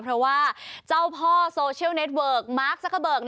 เพราะว่าเจ้าพ่อโซเชียลเน็ตเวิร์กมาร์คซักเกอร์เบิร์ก